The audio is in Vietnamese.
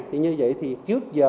thì như vậy thì trước giờ